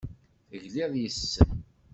Tegliḍ yes-sen.